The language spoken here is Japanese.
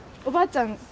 おばあちゃん？